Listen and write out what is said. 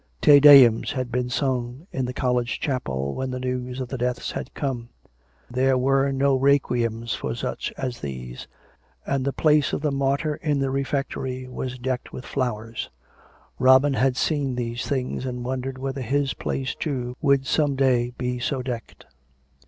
... Te Deums had been sung in the college chapel when the news of the deaths had come: there were no requiems for such as these; and the place of the martyr in the refectory was decked with flowers. ... Robin had seen these things, and wondered whether his place, too, would some day be so decked.